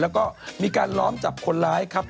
แล้วก็มีการล้อมจับคนร้ายครับ